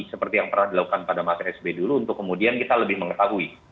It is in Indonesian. seperti yang pernah dilakukan pada masa sby dulu untuk kemudian kita lebih mengetahui